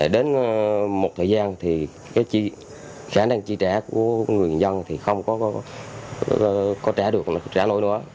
đến một thời gian khả năng chi trả của người dân không có trả được trả lỗi nữa